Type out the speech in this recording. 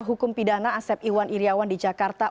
hukum pidana asep iwan iryawan di jakarta